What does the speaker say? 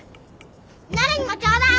なるにもちょうだい。